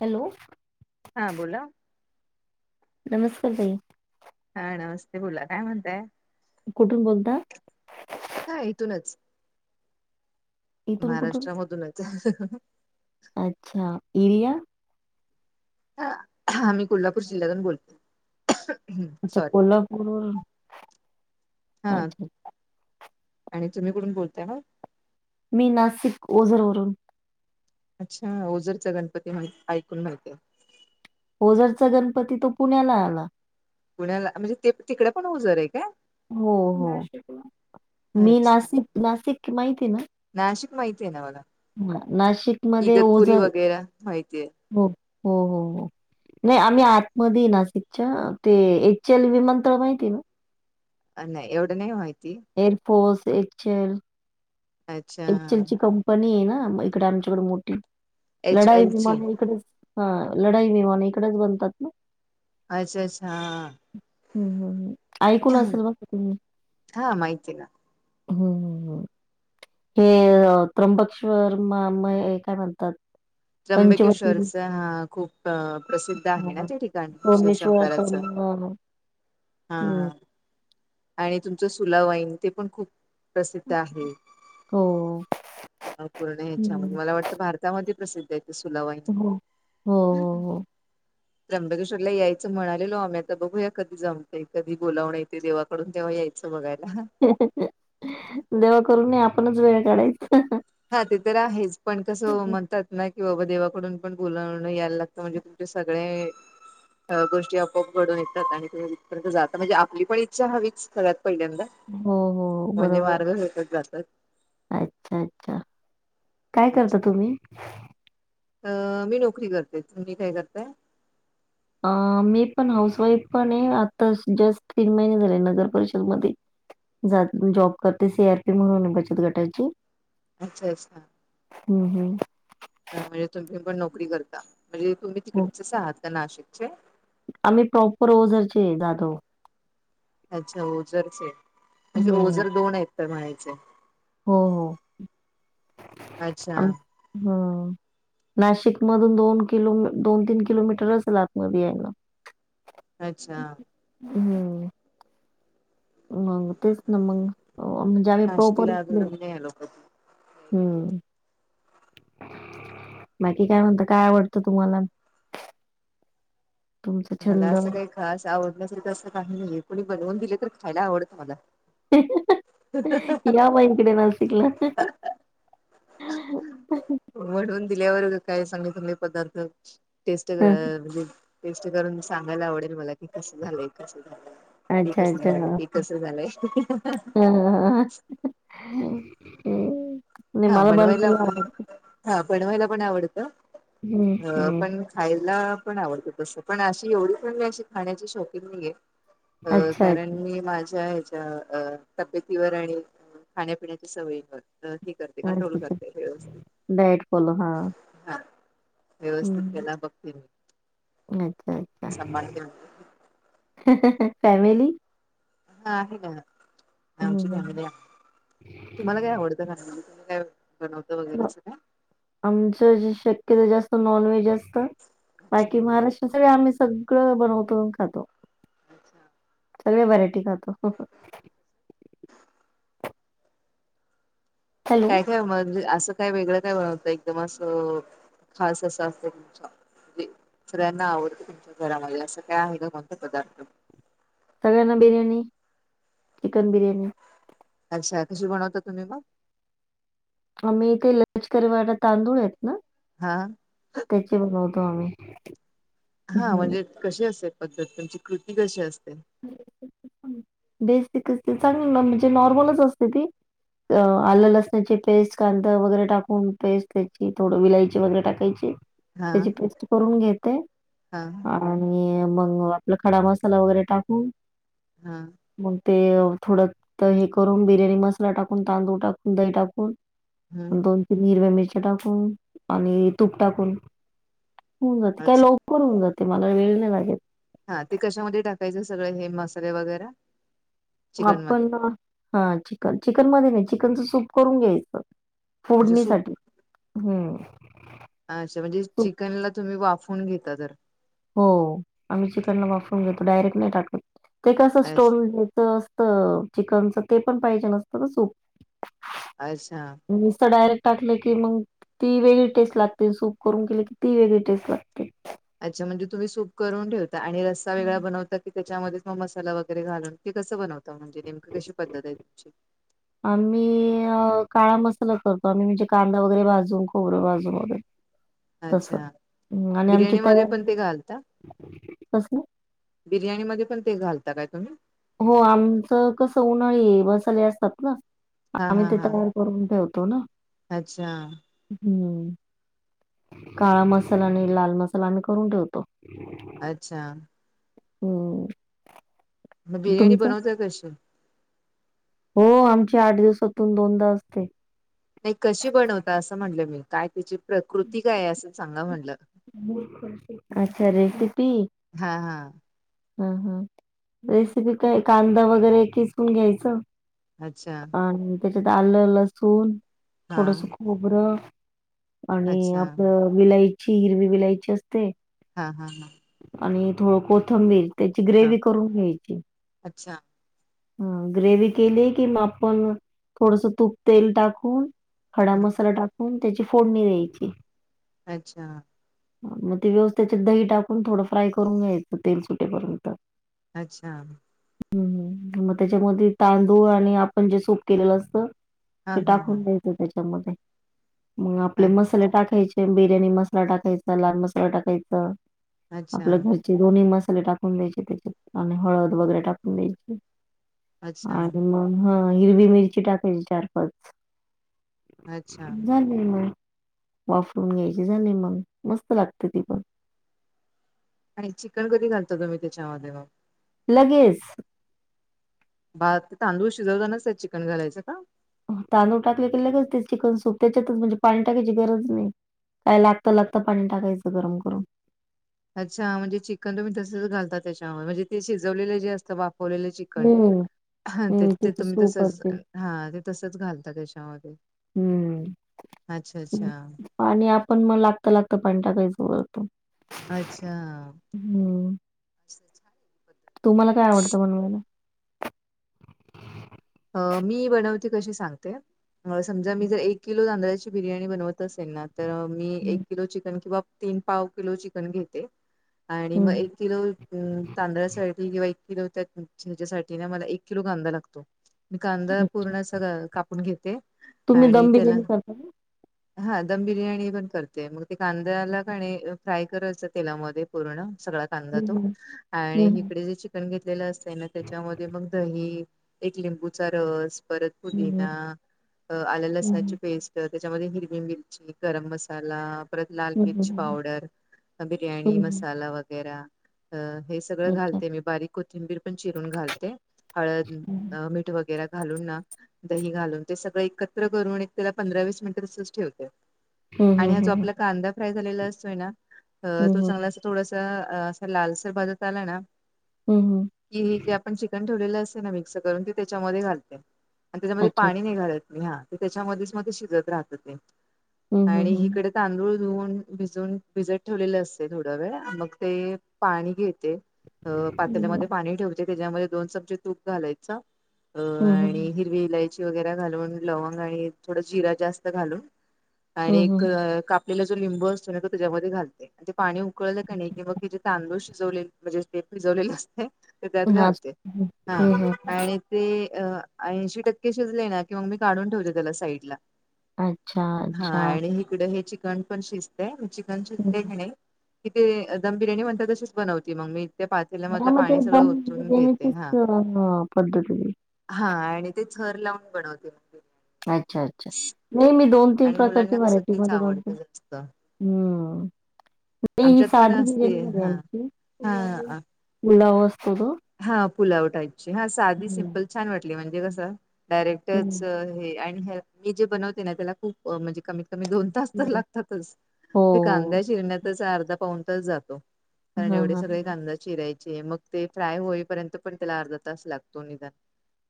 Hello हा बोला नमस्कार भाई हा नमस्ते बोला काय म्हणताय कुठून बोलता हा इथूनच इथून कुठून महाराष्ट्रामधूनच अच्छा एरिया हम मी कोल्हापूर जिल्ह्यातून बोलतो ह् अच्छा सॉरी कोल्हापूरवरून हा अच्छा आणि तुम्ही कुून बोलताय ना मी नाशिक ओझरवरून अच्छा ओझरचा गणपती माहि ऐकून माहिती आहे ओजरचा गणपती तो पुण्याला आला पुण्याला म्हणजे ते तिकडे पण उजर आहे का हो हो मी अच्छा नाशिक नाशिक माहिती आहे ना नाशिक माहिती आहे ना मला ह नाशिक मध्ये इगतपुरी ओझर वगैरे वगैरा माहितीय हो हो हो हो नाही आम्ही आतमध्ये नाशिकच्या ते एच एल विमानतळ माहिती आहे ना अ नाही एवढं नाही माहिती एअरफोर्स एचे एल. अच्छा एच एल ची कंपनी आहे ना इकडे आमच्याकडे मोठी एच लढाई एल ची विमान इकडेच हा लढाई विमान इकडेच बनतात ना. अच्छा अच्छा हा. हम्म हम् हम् ऐकून असेल बघ तुम्ही हा माहिती आहे ना हम्म हम् हम्. हे त्र्यंबकश्वर माम काय म्हणतात. पंचवटी त्र्यंबकेश्वरचा हा खूप प्रसिद्ध आहे ना त्या ठिकाणी शिवशंकराचं. हा ह हा आणि तुमचं सुलावाईन ते पण खूप प्रसिद्ध आहे. हो. अ पूर्ण ह्याच्यामध्ये मला वाटतं भारतामध्ये प्रसिद्ध ते सुला वाईन. हो, हो, हो. त्र्यंबेश्वरला यायंच म्हणालेलो आम्ही आता बघूया की जमतय कधी बोलावण येतंय ते देवाकडून तेव्हा यायचं बघायला. देवा करून नाही आपणच वेळ काढायचा. हा ते तर आहेच पण कसं व म्हणतात. नाही कि बाबा देवाकडून पण बोलावण यायला लागतं म्हणजे तुमचे सगळे गोष्टी आपोआप घडून येतात आणि तु इथपर्यंत जाता म्हणजे आपली पण इच्छा हवीच सर्वात पहिल्यांदा हो, हो. म्हणजे बरोबर. मार्गकत जातात अच्छा अच्छा काय करता तुम्ही? अ मी नोकरी करते तुी काय करताय अ मी पण हाऊस वाईफ पण आहे आता जस्ट तीन महिने झाले नगर परिषदमध्ये जात जॉब करते सी आर पी म्हणून बचत गटाची. अच्छा अच्छा हम्म हम्म. म्हणजे तुम्ही पण नोकरी करता म्हणजे तुम्ही हो. तिकडेडचेच आहात का नाशिकचे आम्ही प्रॉपर ओझरचे आहे जाधव अच्छा ओझरचे म्हणजे हम्म. ओझर दोन आहेत तर म्हणाचे. हो हो अच्छा आ हम नाशिक मधून दोन किलो दोन तीन किलोमीटरच आसल आतमध्ये यायला. अच्छा. हम्म. मग तेच ना मग म्हणजे आम्ही प्रॉपर इथले. अच [inaudible] हम् बाकी काय म्हणत काय आवडतं तुम्हाला. तुमचा मला छंद? असं काही खास आवडण्यासाठी तर असं काही नाहीये कोणी बनवून दिले तर खायला आवडतं मला या मग इकडे नासिकला. बनवून दिल्यावर ग काय सांगु तुम्ही पदार्थ टेस्ट हं. म्हणजे टेस्ट करून सांगायला आवडेल मला ते कस झालंय कस झालंय ते अच्छा, कस अच्छा. झालं ते हां, कस झालंय ह नी हा मला बनवायला बनव्हायला पण आवडतं. हा बनवायला पण आवडतं हं, हं. पण खायला पण आवडत तस पण अशी एवढी पण मी अशी खाण्याची शौकीन नाही आहे. अ अच्छा, कारण अच्छा. मी माझ्या हच्या तब्येतीवर आणि खाण्यापिण्याच्या सवयींवर हे करते कंट्रोल अच्छा, अच्छा. करते व्यवस्थित. Diet follow. हां. हा व्यवस्थित हं. त्याला बघतेे मी अच्छा, अच्छा. सभाळते फॅमिली हा आहे ना हं, आमची हं. फॅमिली आहे. तुम्हाला काय आवडतंा म्ह तुम्ही काय बनवतं वगैरे मग असग काय आमचं जे शक्यत जास्त नॉन व्हेज असत. अच्छा बाकी महाराष्ट्राच आम्ही सगळं बनवतो खातो. अच्छा. सर्व व्हरायटी खातो. हॅलो. काय काय म्हणजे असं काय वेगळं काय बनवतं एकदम असं खास असं असत तुमच्या म्हणजे सगळ्यांना आवडत तुमच्या घरामध्ये असं काय आहे का कोणता पदार्थ सगना बिर्याणी चिकन बिर्याणी अशा कशी बनवता तुम्ही मग आम्ही ते लजकरीवाट तांदूळ आहेत ना हा त्याचे बनवतो आम्ही हा हं. म्हणजे कशी असते पद्धत तुमची कृती कशी असते ह बेसिक चांगली म्हणजे नॉर्मलच असते ती आलं लसणाची पेस्ट कांदा वगैरे टाकून पेस्ट त्याची थोडं विलायची वगैरे टाकायची हा त्याची पेस्ट करून घेते ह हा आणि मग आपला खडा मसाला वगैरे टाकू हा मग ते थोडं हे करून बिर्याणी मसाला टाकून तांदूळ टाकून दही टाकून हम्म दोन तीन हिरव्या मिरच्या टाकून आणि तूप टाकून होऊन जाते काय अच्छा लवकर होऊन जाते मला वेळ नाही लागेल. हा ते कशामध्ये टाकायचं सगळे हे मसाले वगैरे चिकन आपण मध्ये हा चिकन चिकन मध्ये नाही चिकनच सूप करून घ्यायचं. अच्छा सूप फोडणीसाठी हम्म अच्छा म्हणजे चिकनला तुम्ही वाफून घेता तर हो आम्ही चिकनला वापरून घेतो डायरेक्ट नाही टाकून ते कसं अच स्टोन द्यायच चिकनच ते पण पाहिजे नसतं का सूप अच्छा मस डायरेक्ट टाकले की मग ती वेगळी टेस्ट लागते सूप करून केली की ती वेगळी टेस्ट लागते अच्छा म्हणजे तुम्ही सूप करून ठेवता आणि रस्सा वेगळा बनवता की त्याच्यामध्येच मग मसाला वगैरे घालून कसं बनवता म्हणजेमक कशी पद्धत आहे तुमची ह आम्ही काळा मसाला करतो आम्ही म्हणजे कांदा वगैरे भाजून खोबरं भाजून वगैरे तस अच्छा आणि आमची बिर्याणी मध्ये पण ते तयारी घालता तस बिर्याणीमध्ये पण ते घालता काय तुम्ही हो आमचं कस उन्हाळी बसाले असतात ना हा आम्ही हा ते हा तयार करून ठेवतो ना अच्छा हम्म काळा मसाला आणि लाल मसाला आम्ही करून ठेवतो अच्छा होम् मग बिर्याणी बनवताय कशी हो आमच्या आठ दिवसातून दोनदा असते नाही कशी बनवता असं म्हणलं मी काय त्याची प्रकृती काय आहे असं सांगा म्हणलं अच्छा रेसिपी हा हा हा हा रेसिपी काय कांदा वगैरे खिचवून घ्यायचं अच्छा आणि त्याच्यात आलं लसूण हा थोडस ख र आणि अच्छा आपलं विलायची हिरवी विलायची असते हा हा हा आणि थोडं कोथंबीर त्याची हा ग्रेव करून घ्यायची अच्छा ह ग्रेव केली कि आपण थोडस तूप तेल टाकून खडा हम्म मसाला टाकून त्याची फोडणी द्यायची अच्छा मग ते व्यवस्थेच्यात दही टाकून थोडं फ्राय करून घ्यायचं तेल सुटेपर्यंत अच्छा हं मग त्याच्यामध्ये तांदूळ आणि आपण जे सूप केलेलं असतं हा ते हा हा टाकून द्यायचं त्याच्यामध्ये मग आपले अ- मसाले टाकायचे बिर्याणी मसाला टाकायचा लाल मसाला टाकायच अच्छा आपलं घर चे दोन्ही मसाले टाकून द्यायचे त्याच्यात आणि हळद वगैरे टाकून द्यायचे अच्छा आणि मग हं हिरवी मिरची टाकायची चार पाच अच्छा मग वाफरून घ्यायची झाली मग मस्त लागते ति आणि चिकन कधी घालतो तु म्ी त्याच्यामध्ये मग लगेच ब तांदूळ शिजवतानाच त्या चिकन घालायचं का तांदूळ टाकले क लच ते चिकन सूप त्याच्यातच म्हणजे पाणी टाकायची गरज नाही काय लागतं लागतं पाणी टाकायचं गरम करून अच्छा म्हणजे चिकन तुम्ही तसच घालता त्याच्यावर म्हणजे ते शिजवलेले जे असत वाफवले च हम्म हा ते ते तुम्ही तसच हा ते तसंच घालता त्याच्यामध्ये हं. अच्छा अच्छा आणि आपण मग लागत लागतं पाणी टाकायचं वतो अच्छा हम्म अस तुम्हाला काय आवडंनवायला अ मी बनवते कशी सांगते समजा मी जर एक किलो तांदळाची बिर्याणी बनवत असेल ना तर मी एक हं. किलो चिकन किंवा तीन पाव किलो चिकन घेते आणि मग एक हं. किलो तांदळासाठी किंवा एक किलो त्या िंच्यासाठीठी ना मला एक किलो कांदा लागतो मी कांदा पूर्ण अस कापून घेते तुम्ही आणि दम त्याला बिर्याणी करता का? हा दम बिर्याणी पण करते मग ते कांद्याला का फ्राय कयच तेलामध्ये पूर्ण सगळ कांदा हं, तो हं. आणि हं, हं. इकडे जे चिकन घेतलेलं असत ना त्याच्यामध्ये मग दही एक लिंबूचा रस परत पुदिना आला हं, हं, लसणाची हं. पेस्ट त्याच्यामध्ये हिरवी मिरची गरम मसाला ला हं, मि हं. पावड ब म व हं, हं. हं, हं. घा अच्छा. मी बक कोंबीर पण चून घाल हं, ह वगै घालून ना दही घालून ते सगळं एकत्र करून एक त्याला पंधरा वीस मिनिटं तसच ठेवते आणि हं, हा जो हं, हं. आपला कांदा फ्राय झालेला असतोय ना हं, तो चांगला हं. थोडस असं लालसर भाजत आला ना हम हम कि हे जे आपण चिकन ठेवलेलं असते ना मिक्स करून ते त्याच्यामध्ये घालते आणि त्याच्यामध्ये अच्छा. पाणी निघालत नाही हा ते त्याच्यामध्येच म ते शिजत राहत ते हं, हं, आणि हं. हकडे तांदूळ धुवून भिजून भिजत ठेवलेले असते थोडा वेळ मग ते पाणी घेते हं, पाताल्यामध्ये हं. पाणी ठेवाचे त्याच्यामध्ये दोन चमचे तूप घालायच अ हं, आणि हं. हिरवीलायची व घून ल हं. घा आपला जो लिंब असतो ना तो त्याच्यामध्ये घालते आणि ते पाणी उकळलं का नाही कि मग तिचे तांदळ शिजवले म्हणजे ते भिजवलेलं असते ते त्यात हां. घालते हं, हा हं, हं. आणि ते ऐंशी टक्के शिजले ना किंवा मी काढून ठेवले त्याला साईड ला अच्छा, हा अच्छा. आणि इकड हे चिकन पण शिजतय मी चिकन हं. हं. शिजले घ नाही कि ते दम बिर्याणी म्हणतात तशीच बनवती मग मी ते पातेला मधलं पाणी सगळं उचून घेते हा ह हा पद्धतीने हा आणि ते र लावून बनवते अच्छा अच्छा नाही मी दोन तीन आणि प्रकारची मुलांना कसं व्हरायटी तेच मध्ये बघते आवडतं जास्त हम्म नाही ही आमच्यात पण साधी असते बिर्याणी हा आमची हा पुलावा असतो तो हा पुलाव टाईपची हा साधी हम्म. सिम्पल छान वाटली म्हणजे कस डायरेक्टरच हम्म. हे आणि मी जे बनवते ना त्याला खूप म्हणजे कमीत कमी दोन तास तर लागतातच हो, ते हो. कांद्या शिरण्यातच अर्धा पाऊं तच जातो कारण हां, एवढे हां. सगळे कांदा चिरायचे मग ते फ्राय होईपर्यंत पण त्याला अर्धा तास लागतो निदान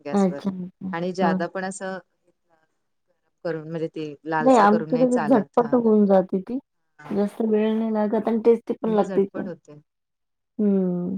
गॅसवरर अच्छा, अच्छा. आणि हां. जादा पण असं घेत करून म्हणजे ते नाही लालसर करून आमची क चालत झटपट हा होऊन जाते तीस्त वेळ नाही लागत आणि टेस्टी पण तुमची लागते इ झटपट पण होते हम्म